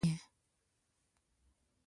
د نبوي کورنۍ سره یې اړیکې وشلولې.